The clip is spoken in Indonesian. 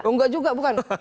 enggak juga bukan